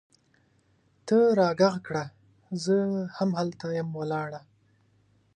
ته راږغ کړه! زه هم هلته یم ولاړه